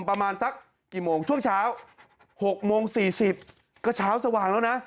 ประมาณสักกี่โมงช่วงเช้า๖โมง๔๐ก็เช้าสว่างแล้วนะ